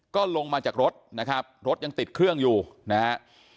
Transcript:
ก็ลงมาจากรถนะครับรถยังติดเครื่องอยู่นะฮะ